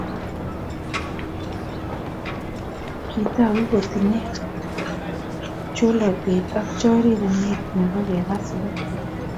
Kitoku kotinyei cholatet ak chorirenet nebo keba sugul